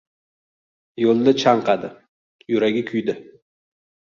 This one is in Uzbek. Yo‘lda chanqadi. Yuragi kuydi.